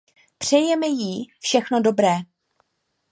Přejeme jí všechno dobré.